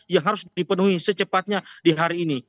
yang harus dipenuhi secepatnya di hari ini